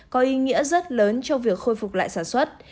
có ý nghĩa rất lớn cho việc khôi phục lại sản xuất